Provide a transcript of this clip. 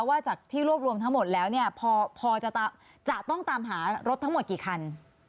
ว่าจากที่รวบรวมทั้งหมดแล้วเนี่ยพอจะต้องตามหารถทั้งหมดกี่คัน